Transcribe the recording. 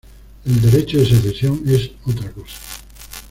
El derecho de secesión es otra cosa.